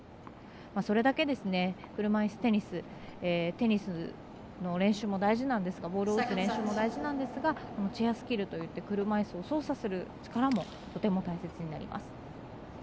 それだけ、車いすテニステニスの練習も大事なんですがボールを打つ練習も大事なんですがチェアスキルといって車いすを操作する力もとても大切になります。